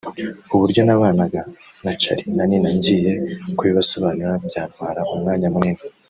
uburyo nabanaga na Charly&Nina ngiye kubibasobanurira byantwara umwanya munini